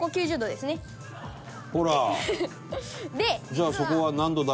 「じゃあそこは何度だ？」